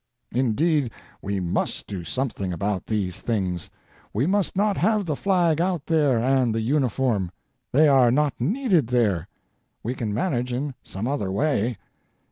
Indeed, we must do something about these things ; we must not have the ijag out there, and the uniform. They are not needed there; we can manage in some other way.